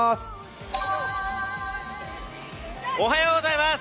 おはようございます！